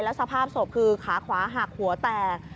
สภาพศพคือขาขวาหักหัวแตก